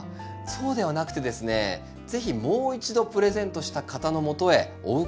そうではなくてですね是非もう一度プレゼントした方のもとへお伺いしてですね